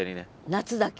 夏だけ？